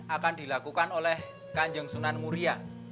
akan dilakukan oleh kanjeng sunan muria